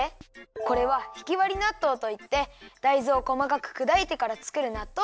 これはひきわりなっとうといってだいずをこまかくくだいてからつくるなっとうなんだ。